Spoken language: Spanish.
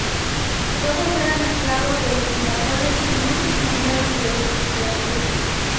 Todos eran esclavos de los invasores y muchos murieron de desesperación.